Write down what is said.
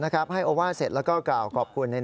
นายยกรัฐมนตรีพบกับทัพนักกีฬาที่กลับมาจากโอลิมปิก๒๐๑๖